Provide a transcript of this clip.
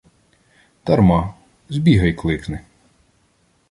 — Дарма. Збігай кликни.